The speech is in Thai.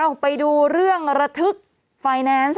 เอาไปดูเรื่องระทึกไฟแนนซ์